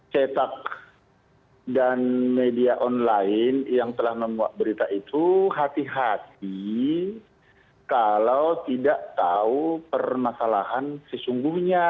cetak dan media online yang telah membuat berita itu hati hati kalau tidak tahu permasalahan sesungguhnya